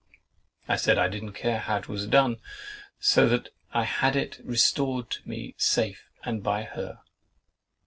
I said "I didn't care how it was done, so that I had it restored to me safe, and by her."